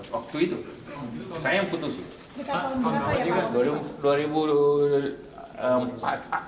waktu itu saya yang putus